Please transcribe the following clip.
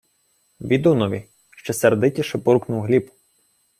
— Відунові, — ще сердитіше буркнув Гліб.